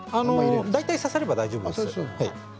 大体刺さればいいです。